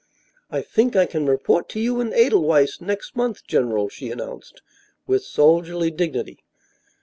"I think I can report to you in Edelweiss next month, general," she announced, with soldierly dignity.